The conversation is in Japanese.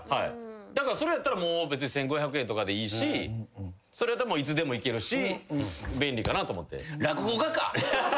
だからそれやったら１，５００円とかでいいしそれやったらいつでも行けるし便利かなと思って。